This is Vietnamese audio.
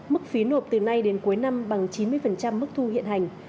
mức phí nộp từ nay đến cuối năm bằng chín mươi mức thu hiện hành